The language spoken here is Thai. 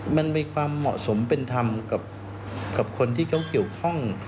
มันมีความเหมาะสมเป็นธรรมกับคนที่เขาเกี่ยวข้อง